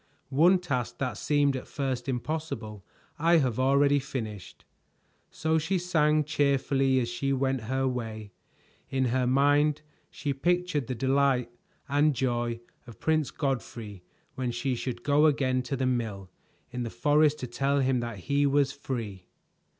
"One task that seemed at first impossible I have already finished." So she sang cheerfully as she went her way. In her mind she pictured the delight and joy of Prince Godfrey when she should go again to the mill in the forest to tell him that he was free.